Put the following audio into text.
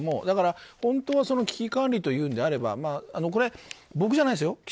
だから、本当は危機管理というのであればこれ、僕じゃないですよ。